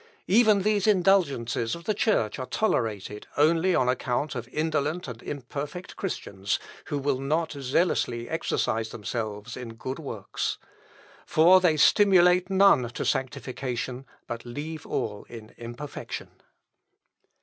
Even these indulgences of the Church are tolerated, only on account of indolent and imperfect Christians, who will not zealously exercise themselves in good works. For they stimulate none to sanctification, but leave all in imperfection."